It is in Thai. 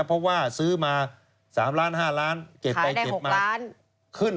เพราะซื้อมา๓ล้าน๕ล้านเก็บไป๖ล้าน